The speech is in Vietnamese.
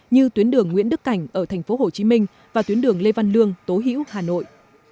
như tuyến đường nguyễn đức cảnh ở thành phố hồ chí minh và tuyến đường lê văn lương tố hữu hà nội